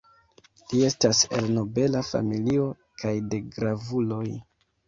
Li estas el nobela familio kaj de gravuloj.